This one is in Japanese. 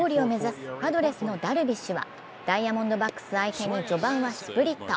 初勝利を目指すパドレスのダルビッシュはダイヤモンドバックス相手に序盤はスプリット。